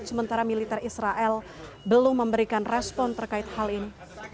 sementara militer israel belum memberikan respon terkait hal ini